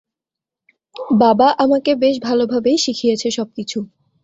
বাবা আমাকে বেশ ভালভাবেই শিখিয়েছে সবকিছু!